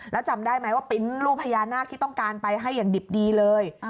แล้วจำได้ไหมว่าปริ้นต์รูปพญานาคที่ต้องการไปให้อย่างดิบดีเลย